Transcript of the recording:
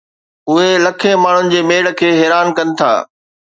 اهي لکين ماڻهن جي ميڙ کي حيران ڪن ٿا